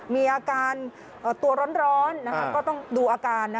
มีอาการตัวร้อนก็ต้องดูอาการ